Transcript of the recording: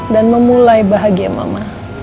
dan memulai bahagia mama